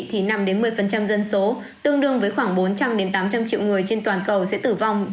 thì năm một mươi dân số tương đương với khoảng bốn trăm linh tám trăm linh triệu người trên toàn cầu sẽ tử vong